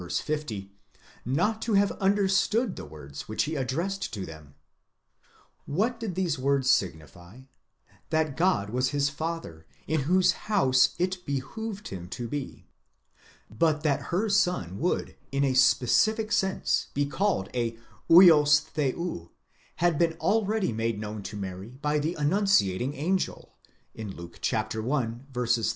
50) not to have understood the words which he addressed to them, What did these words signify? That God was his Father, in whose house it behoved him to be. But that her son would in a specific sense be called a vids θεοῦ had been already made known to Mary by the annunciating angel (Luke i.